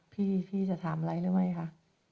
พี่จะถามอะไรได้ไหมคะ